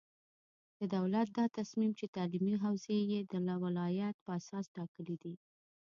د دولت دا تصمیم چې تعلیمي حوزې یې د ولایت په اساس ټاکلې دي،